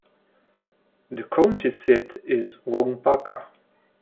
The county seat is Waupaca.